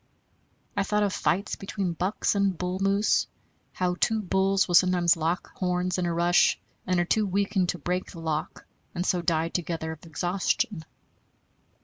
I thought of fights between bucks, and bull moose, how two bulls will sometimes lock horns in a rush, and are too weakened to break the lock, and so die together of exhaustion.